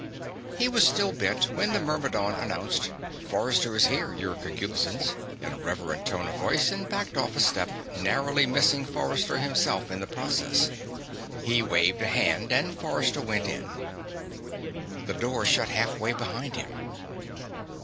He was still bent when the Myrmidon announced: "Forrester is here, Your Concupiscence," in a reverent tone of voice, and backed off a step, narrowly missing Forrester himself in the process. He waved a hand and Forrester went in. The door shut halfway behind him.